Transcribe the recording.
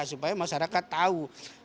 supaya masyarakat tahu